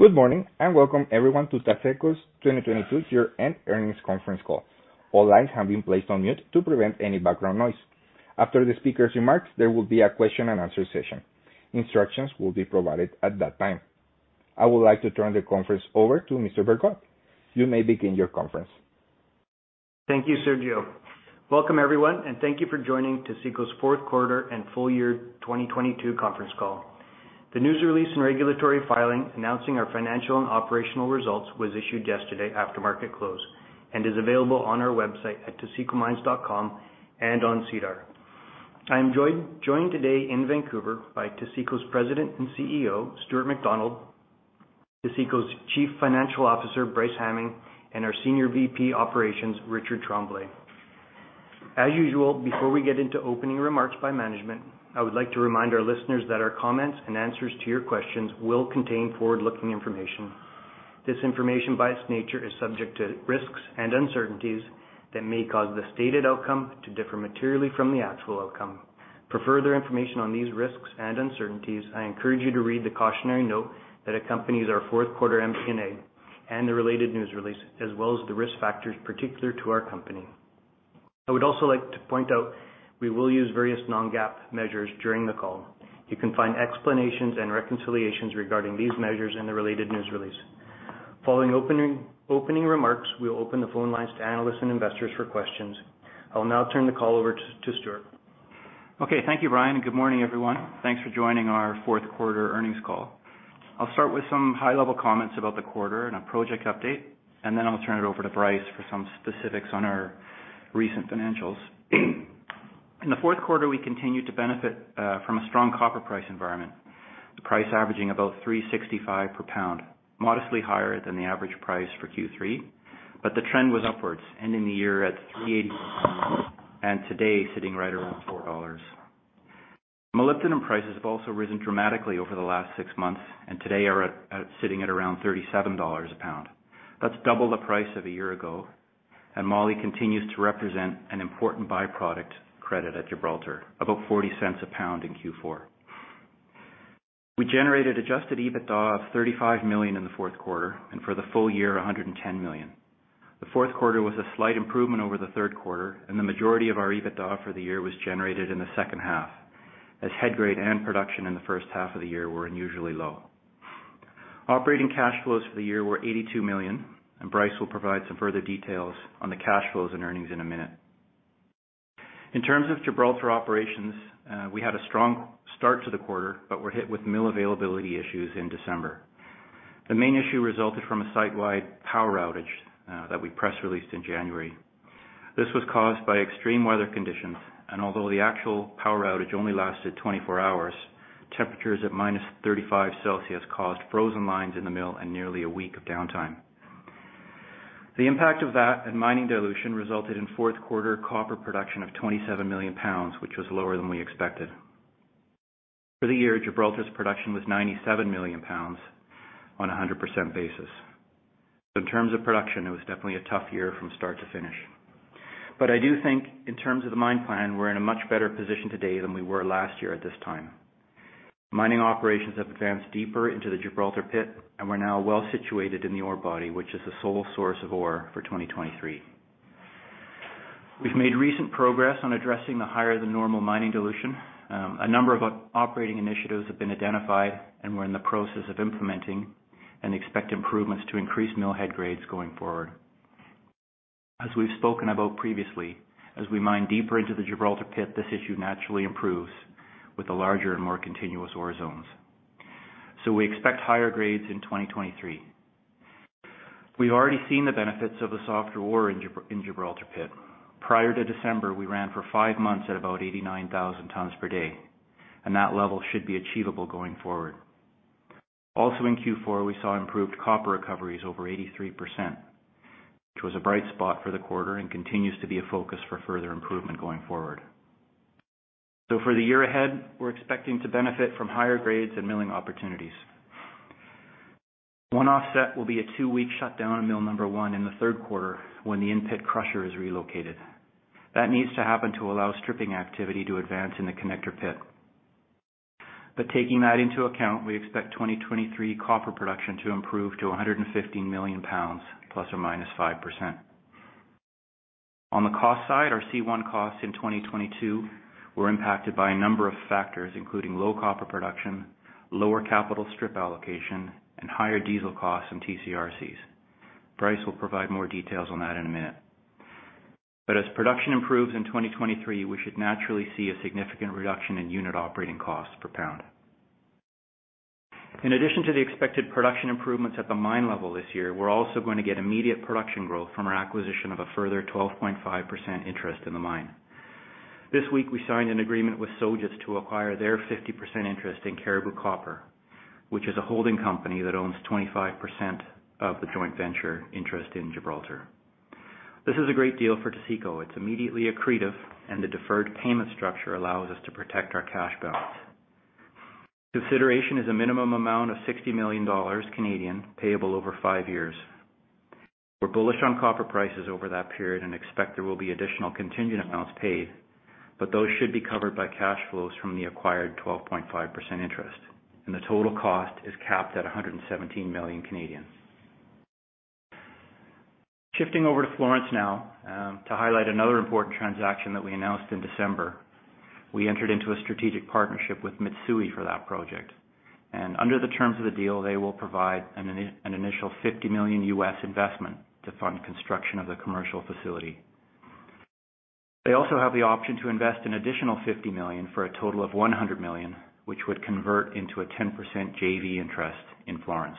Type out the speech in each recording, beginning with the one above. Good morning. Welcome everyone to Taseko's 2022 year-end earnings conference call. All lines have been placed on mute to prevent any background noise. After the speaker's remarks, there will be a question and answer session. Instructions will be provided at that time. I would like to turn the conference over to Mr. Bergot. You may begin your conference. Thank you, Sergio. Welcome, everyone, and thank you for joining Taseko's fourth quarter and full year 2022 conference call. The news release and regulatory filing announcing our financial and operational results was issued yesterday after market close and is available on our website at tasekomines.com and on SEDAR. I am joined today in Vancouver by Taseko's President and CEO, Stuart McDonald, Taseko's Chief Financial Officer, Bryce Hamming, and our Senior VP Operations, Richard Tremblay. As usual, before we get into opening remarks by management, I would like to remind our listeners that our comments and answers to your questions will contain forward-looking information. This information, by its nature, is subject to risks and uncertainties that may cause the stated outcome to differ materially from the actual outcome. For further information on these risks and uncertainties, I encourage you to read the cautionary note that accompanies our fourth quarter MD&A and the related news release, as well as the risk factors particular to our company. I would also like to point out we will use various non-GAAP measures during the call. You can find explanations and reconciliations regarding these measures in the related news release. Following opening remarks, we will open the phone lines to analysts and investors for questions. I will now turn the call over to Stuart. Okay. Thank you, Brian. Good morning, everyone. Thanks for joining our fourth quarter earnings call. I'll start with some high-level comments about the quarter and a project update, and then I'll turn it over to Bryce for some specifics on our recent financials. In the fourth quarter, we continued to benefit from a strong copper price environment. The price averaging about $3.65 per pound, modestly higher than the average price for Q3. The trend was upwards, ending the year at $3.80 per pound, and today sitting right around $4.00. Molybdenum prices have also risen dramatically over the last six months and today are sitting at around $37.00 a pound. That's double the price of a year ago. Moly continues to represent an important byproduct credit at Gibraltar, about $0.40 a pound in Q4. We generated adjusted EBITDA of $35 million in the fourth quarter and for the full year, $110 million. The fourth quarter was a slight improvement over the third quarter, and the majority of our EBITDA for the year was generated in the second half, as head grade and production in the first half of the year were unusually low. Operating cash flows for the year were $82 million, and Bryce will provide some further details on the cash flows and earnings in a minute. In terms of Gibraltar operations, we had a strong start to the quarter, but were hit with mill availability issues in December. The main issue resulted from a site-wide power outage that we press released in January. This was caused by extreme weather conditions. Although the actual power outage only lasted 24 hours, temperatures at -35 celcius caused frozen lines in the mill and nearly a week of downtime. The impact of that and mining dilution resulted in fourth quarter copper production of 27 lb million, which was lower than we expected. For the year, Gibraltar's production was 97 lb million on a 100% basis. In terms of production, it was definitely a tough year from start to finish. I do think in terms of the mine plan, we're in a much better position today than we were last year at this time. Mining operations have advanced deeper into the Gibraltar pit. We're now well situated in the ore body, which is the sole source of ore for 2023. We've made recent progress on addressing the higher than normal mining dilution. A number of operating initiatives have been identified and we're in the process of implementing and expect improvements to increase mill head grades going forward. As we've spoken about previously, as we mine deeper into the Gibraltar pit, this issue naturally improves with the larger and more continuous ore zones. We expect higher grades in 2023. We've already seen the benefits of the softer ore in Gibraltar pit. Prior to December, we ran for five months at about 89,000 tons per day, and that level should be achievable going forward. Also in Q4, we saw improved copper recoveries over 83%, which was a bright spot for the quarter and continues to be a focus for further improvement going forward. For the year ahead, we're expecting to benefit from higher grades and milling opportunities. One offset will be a two-week shutdown of mill number one in the third quarter when the in-pit crusher is relocated. That needs to happen to allow stripping activity to advance in the connector pit. Taking that into account, we expect 2023 copper production to improve to 115 lb million ±5%. On the cost side, our C1 costs in 2022 were impacted by a number of factors, including low copper production, lower capital strip allocation, and higher diesel costs and TC/RCs. Bryce will provide more details on that in a minute. As production improves in 2023, we should naturally see a significant reduction in unit operating costs per pound. In addition to the expected production improvements at the mine level this year, we're also going to get immediate production growth from our acquisition of a further 12.5% interest in the mine. This week, we signed an agreement with Sojitz to acquire their 50% interest in Cariboo Copper, which is a holding company that owns 25% of the joint venture interest in Gibraltar. This is a great deal for Taseko. It's immediately accretive. The deferred payment structure allows us to protect our cash balance. Consideration is a minimum amount of 60 million Canadian dollars, payable over five years. We're bullish on copper prices over that period and expect there will be additional contingent amounts paid, but those should be covered by cash flows from the acquired 12.5% interest, and the total cost is capped at 117 million. Shifting over to Florence now, to highlight another important transaction that we announced in December, we entered into a strategic partnership with Mitsui for that project. Under the terms of the deal, they will provide an initial $50 million investment to fund construction of the commercial facility. They also have the option to invest an additional $50 million for a total of $100 million, which would convert into a 10% JV interest in Florence.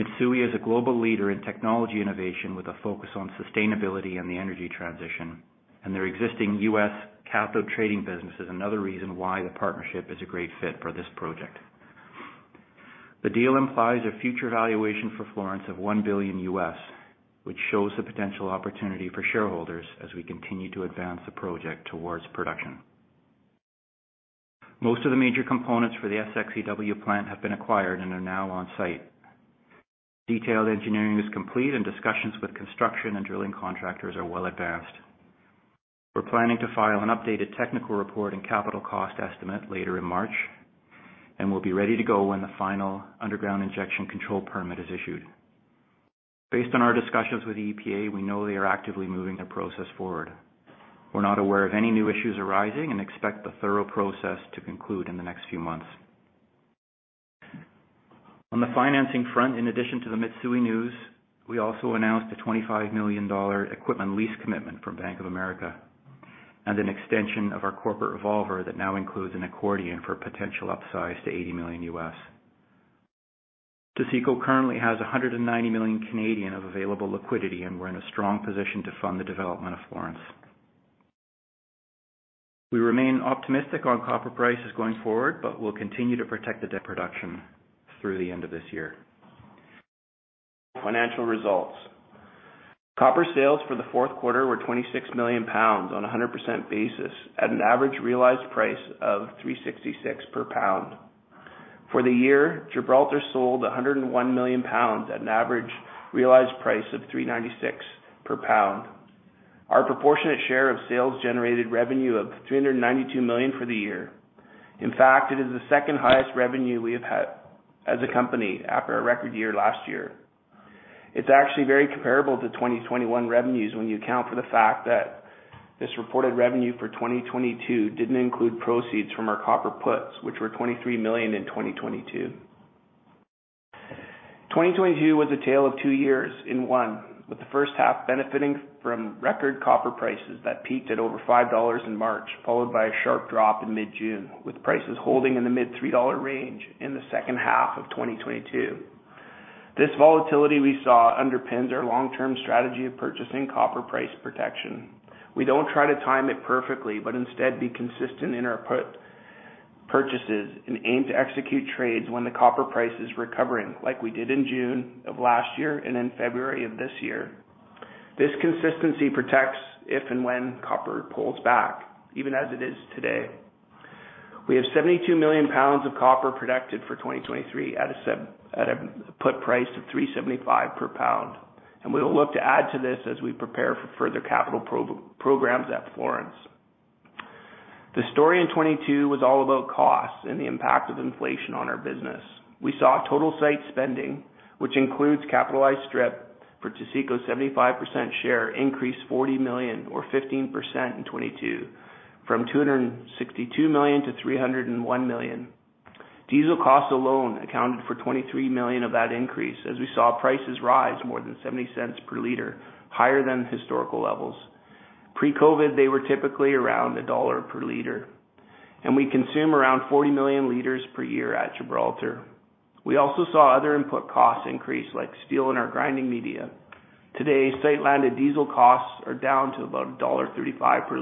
Mitsui is a global leader in technology innovation with a focus on sustainability and the energy transition. Their existing U.S. capital trading business is another reason why the partnership is a great fit for this project. The deal implies a future valuation for Florence of $1 billion, which shows the potential opportunity for shareholders as we continue to advance the project towards production. Most of the major components for the SXEW plant have been acquired and are now on-site. Detailed engineering is complete and discussions with construction and drilling contractors are well advanced. We're planning to file an updated technical report and capital cost estimate later in March. We'll be ready to go when the final Underground Injection Control permit is issued. Based on our discussions with the EPA, we know they are actively moving the process forward. We're not aware of any new issues arising and expect the thorough process to conclude in the next few months. On the financing front, in addition to the Mitsui news, we also announced a $25 million equipment lease commitment from Bank of America and an extension of our corporate revolver that now includes an accordion for potential upsides to $80 million. Taseko currently has 190 million of available liquidity, and we're in a strong position to fund the development of Florence. We remain optimistic on copper prices going forward, but we'll continue to protect the dip production through the end of this year. Financial results. Copper sales for the fourth quarter were 26 million pounds on a 100% basis at an average realized price of $3.66 per pound. For the year, Gibraltar sold 101 lb million at an average realized price of $3.96 per pound. Our proportionate share of sales generated revenue of $392 million for the year. It is the second highest revenue we have had as a company after our record year last year. It's actually very comparable to 2021 revenues when you account for the fact that this reported revenue for 2022 didn't include proceeds from our copper puts, which were $23 million in 2022. 2022 was a tale of two years in one, with the first half benefiting from record copper prices that peaked at over $5 in March, followed by a sharp drop in mid-June, with prices holding in the mid $3 range in the second half of 2022. This volatility we saw underpins our long-term strategy of purchasing copper price protection. We don't try to time it perfectly, but instead be consistent in our put purchases and aim to execute trades when the copper price is recovering, like we did in June of last year and in February of this year. This consistency protects if and when copper pulls back, even as it is today. We have 72 lb million of copper protected for 2023 at a put price of $3.75 per pound, and we will look to add to this as we prepare for further capital programs at Florence. The story in 2022 was all about cost and the impact of inflation on our business. We saw total site spending, which includes capitalized stripping for Taseko's 75% share, increase $40 million or 15% in 2022 from $262 million to $301 million. Diesel costs alone accounted for $23 million of that increase as we saw prices rise more than $0.70 per liter higher than historical levels. Pre-COVID, they were typically around $1 per liter, and we consume around 40 million liters per year at Gibraltar. We also saw other input costs increase like steel in our grinding media. Today, site-landed diesel costs are down to about $1.35 per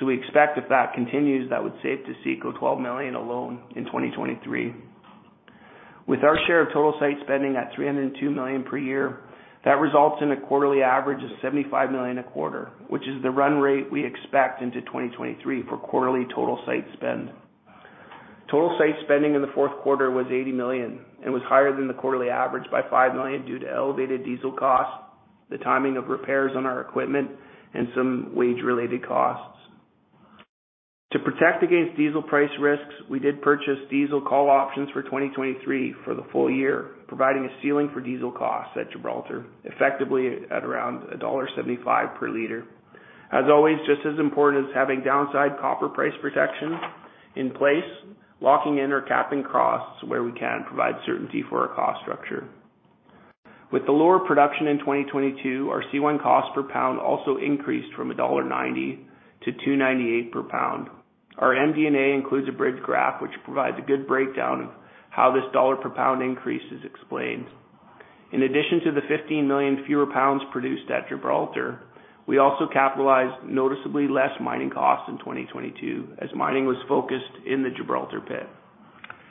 liter. We expect if that continues, that would save Taseko $12 million alone in 2023. With our share of total site spending at $302 million per year, that results in a quarterly average of $75 million a quarter, which is the run rate we expect into 2023 for quarterly total site spend. Total site spending in the fourth quarter was $80 million and was higher than the quarterly average by $5 million due to elevated diesel costs, the timing of repairs on our equipment, and some wage-related costs. To protect against diesel price risks, we did purchase diesel call options for 2023 for the full year, providing a ceiling for diesel costs at Gibraltar, effectively at around $1.75 per liter. As always, just as important as having downside copper price protection in place, locking in or capping costs where we can provide certainty for our cost structure. With the lower production in 2022, our C1 cost per pound also increased from $1.90 to $2.98 per pound. Our MD&A includes a bridge graph, which provides a good breakdown of how this dollar per pound increase is explained. In addition to the 15 million fewer pounds produced at Gibraltar, we also capitalized noticeably less mining costs in 2022 as mining was focused in the Gibraltar pit.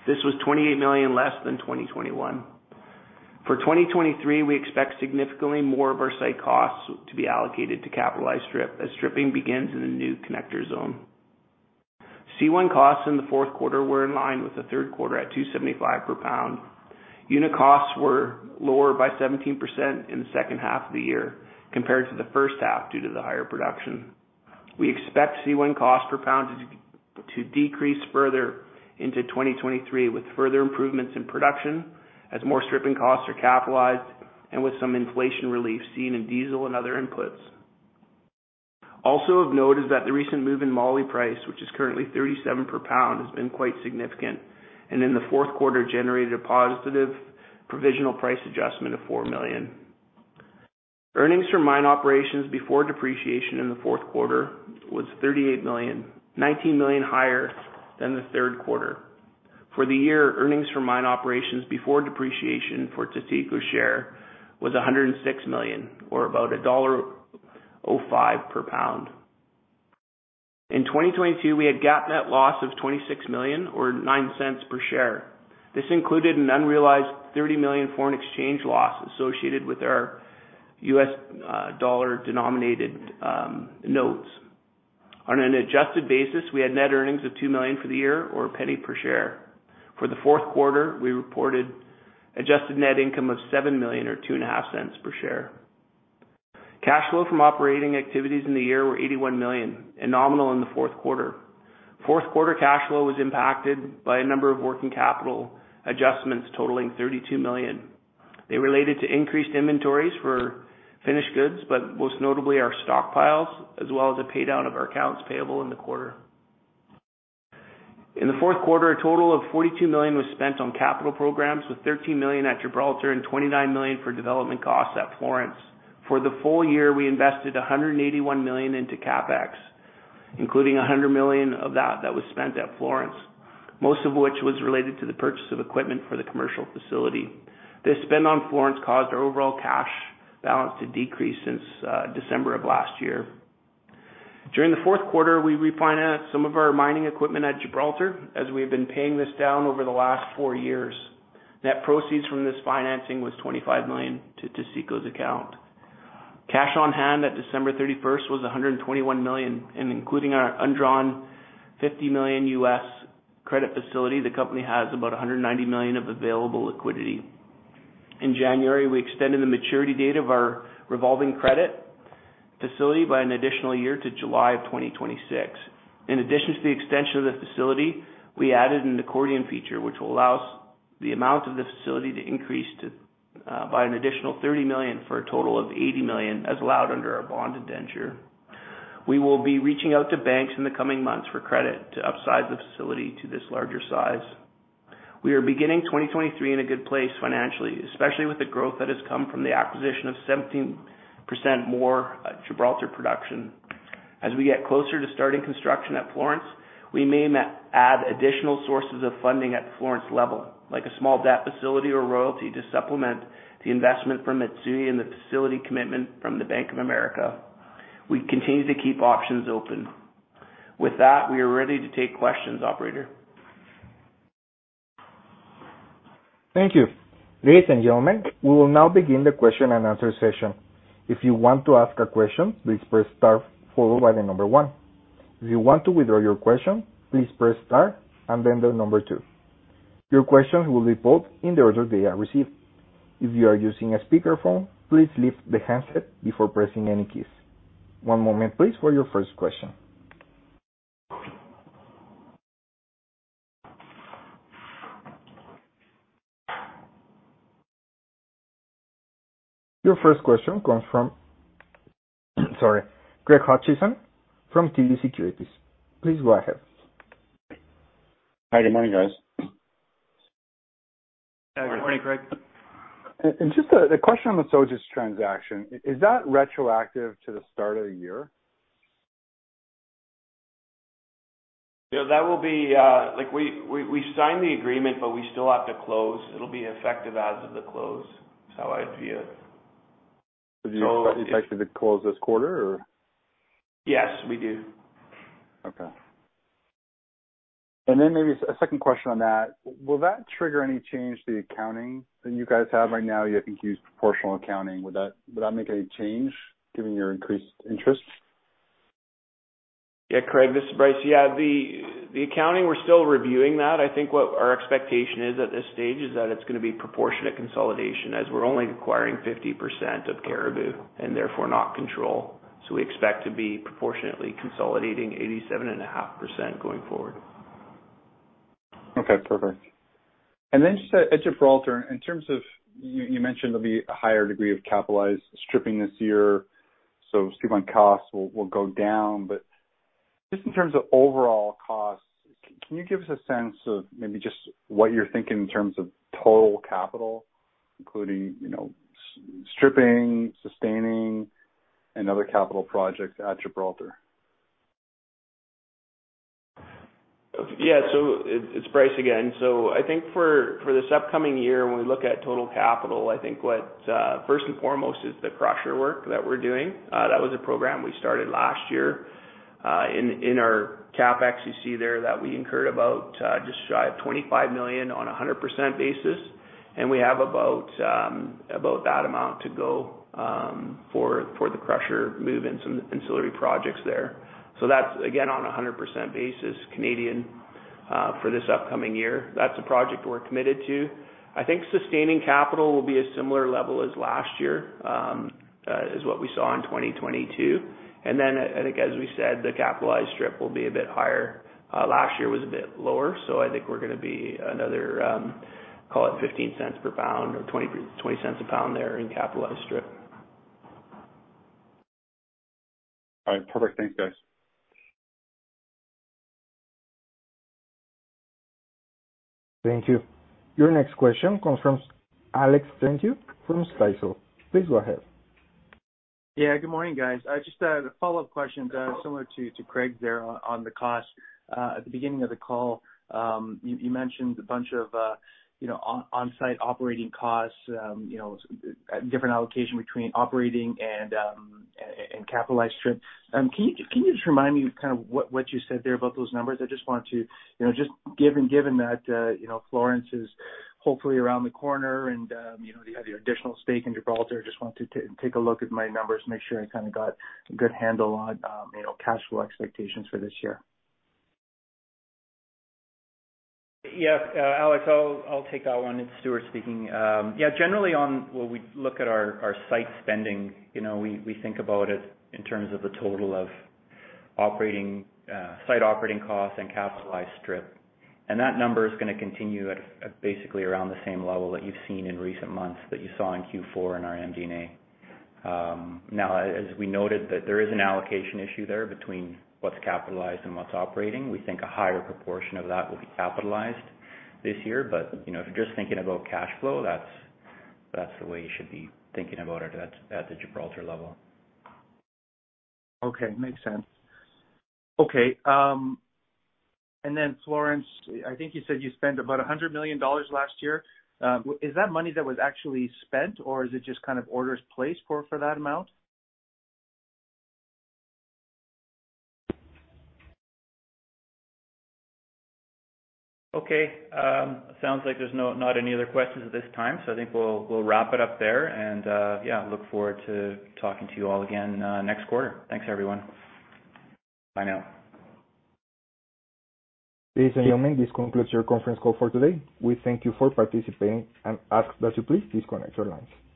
This was $28 million less than 2021. For 2023, we expect significantly more of our site costs to be allocated to capitalized stripping as stripping begins in the new connector zone. C1 costs in the fourth quarter were in line with the third quarter at $2.75 per pound. Unit costs were lower by 17% in the second half of the year compared to the first half due to the higher production. We expect C1 cost per pound to decrease further into 2023 with further improvements in production as more stripping costs are capitalized and with some inflation relief seen in diesel and other inputs. Of note is that the recent move in moly price, which is currently $37 per pound, has been quite significant and in the fourth quarter generated a positive provisional price adjustment of $4 million. Earnings from mine operations before depreciation in the fourth quarter was $38 million, $19 million higher than the third quarter. For the year, earnings from mine operations before depreciation for Taseko's share was $106 million or about $1.05 per pound. In 2022, we had GAAP net loss of $26 million or $0.09 per share. This included an unrealized $30 million foreign exchange loss associated with our US dollar-denominated notes. On an adjusted basis, we had net earnings of $2 million for the year or $0.01 per share. For the fourth quarter, we reported adjusted net income of $7 million or $0.025 per share. Cash flow from operating activities in the year were $81 million and nominal in the fourth quarter. Fourth quarter cash flow was impacted by a number of working capital adjustments totaling $32 million. They related to increased inventories for finished goods, most notably our stockpiles, as well as a pay down of our accounts payable in the quarter. In the fourth quarter, a total of $42 million was spent on capital programs, with $13 million at Gibraltar and $29 million for development costs at Florence. For the full year, we invested $181 million into CapEx, including $100 million of that was spent at Florence, most of which was related to the purchase of equipment for the commercial facility. This spend on Florence caused our overall cash balance to decrease since December of last year. During the fourth quarter, we refinanced some of our mining equipment at Gibraltar as we have been paying this down over the last four years. Net proceeds from this financing was $25 million to Taseko's account. Cash on hand at December 31st was $121 million. Including our undrawn $50 million US credit facility, the company has about $190 million of available liquidity. In January, we extended the maturity date of our revolving credit facility by an additional year to July of 2026. In addition to the extension of the facility, we added an accordion feature, which will allow us the amount of this facility to increase to by an additional $30 million for a total of $80 million as allowed under our bond indenture. We will be reaching out to banks in the coming months for credit to upsize the facility to this larger size. We are beginning 2023 in a good place financially, especially with the growth that has come from the acquisition of 17% more Gibraltar production. As we get closer to starting construction at Florence, we may add additional sources of funding at Florence level, like a small debt facility or royalty to supplement the investment from Mitsui and the facility commitment from the Bank of America. We continue to keep options open. With that, we are ready to take questions, operator. Thank you. Ladies and gentlemen, we will now begin the question and answer session. If you want to ask a question, please press star followed by the number one. If you want to withdraw your question, please press star and then the number two. Your questions will be put in the order they are received. If you are using a speakerphone, please lift the handset before pressing any keys. One moment please for your first question. Your first question comes from sorry, Craig Hutchison from TD Securities. Please go ahead. Hi, good morning, guys. Good morning, Greg. Just a question on the Sojitz transaction. Is that retroactive to the start of the year? Yeah, that will be... Like, we signed the agreement, but we still have to close. It'll be effective as of the close, is how I'd view it. Do you expect it to close this quarter or? Yes, we do. Okay. Then maybe a second question on that. Will that trigger any change to the accounting that you guys have right now? You, I think, use proportional accounting. Would that make any change given your increased interest? Yeah. Craig, this is Bryce. Yeah, the accounting, we're still reviewing that. I think what our expectation is at this stage is that it's gonna be proportionate consolidation, as we're only acquiring 50% of Cariboo Copper and therefore not control. We expect to be proportionately consolidating 87.5% going forward. Okay, perfect. Just at Gibraltar, in terms of, you mentioned there'll be a higher degree of capitalized stripping this year, so strip on costs will go down. Just in terms of overall costs, can you give us a sense of maybe just what you're thinking in terms of total capital, including, you know, stripping, sustaining, and other capital projects at Gibraltar? It's Bryce again. I think for this upcoming year, when we look at total capital, I think what first and foremost is the crusher work that we're doing. In our CapEx, you see there that we incurred about just shy of 25 million on a 100% basis. We have about that amount to go for the crusher move and some ancillary projects there. That's again, on a 100% basis Canadian for this upcoming year. That's a project we're committed to. I think sustaining capital will be a similar level as last year as what we saw in 2022. I think as we said, the capitalized stripping will be a bit higher. Last year was a bit lower. I think we're gonna be another, call it $0.15 per pound or $0.20 a pound there in capitalized stripping. All right. Perfect. Thanks guys. Thank you. Your next question comes from Alex Terentiew from CIBC. Please go ahead. Yeah, good morning, guys. I just have a follow-up question similar to Craig there on the cost. At the beginning of the call, you mentioned a bunch of, you know, on-site operating costs, you know, different allocation between operating and capitalized stripping. Can you just remind me kind of what you said there about those numbers? I just want to, you know, just given that, you know, Florence is hopefully around the corner and, you know, you have your additional stake in Gibraltar. Just want to take a look at my numbers, make sure I kinda got a good handle on, you know, cash flow expectations for this year. Yeah. Alex, I'll take that one. It's Stuart speaking. Yeah, generally on when we look at our site spending, you know, we think about it in terms of the total of operating site operating costs and capitalized stripping. That number is gonna continue at basically around the same level that you've seen in recent months that you saw in Q4 in our MD&A. Now, as we noted that there is an allocation issue there between what's capitalized and what's operating. We think a higher proportion of that will be capitalized this year. You know, if you're just thinking about cash flow, that's the way you should be thinking about it at the Gibraltar level. Okay. Makes sense. Okay. Florence, I think you said you spent about $100 million last year. Is that money that was actually spent or is it just kind of orders placed for that amount? Okay. Sounds like there's not any other questions at this time. I think we'll wrap it up there and, yeah, look forward to talking to you all again next quarter. Thanks, everyone. Bye now. Ladies and gentlemen, this concludes your conference call for today. We thank you for participating and ask that you please disconnect your lines.